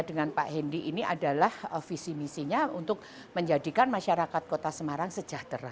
dengan pak hendy ini adalah visi misinya untuk menjadikan masyarakat kota semarang sejahtera